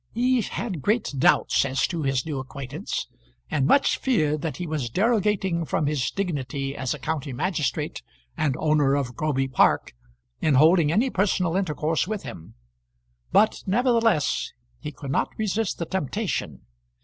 He had great doubts as to his new acquaintance, and much feared that he was derogating from his dignity as a county magistrate and owner of Groby Park in holding any personal intercourse with him; but nevertheless he could not resist the temptation.